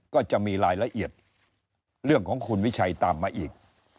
ก็จะมีรายละเอียดเรื่องของคุณวิชัยตามมาอีก